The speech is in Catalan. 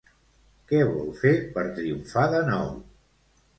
Què vol fer per triomfar de nou?